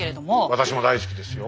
私も大好きですよ。